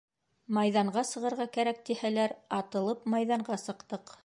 Майҙанға сығырға кәрәк тиһәләр, атылып майҙанға сыҡтыҡ.